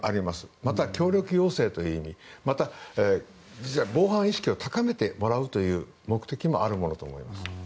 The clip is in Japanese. また、協力要請という意味また、防犯意識を高めてもらうという目的もあるものと思われます。